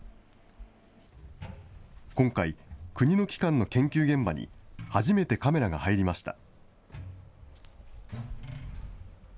今回、国の機関の研究現場に初めてカメラが入りました。